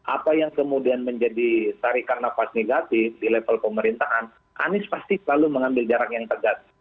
apa yang kemudian menjadi tarikan nafas negatif di level pemerintahan anies pasti selalu mengambil jarak yang tegas